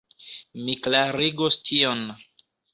Mi klarigos tion.